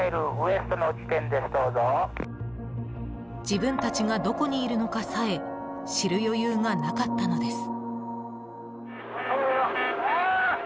自分たちがどこにいるのかさえ知る余裕がなかったのです。